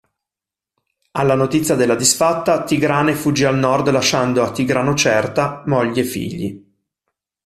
Alla notizia della disfatta, Tigrane fuggì al nord lasciando a Tigranocerta mogli e figli.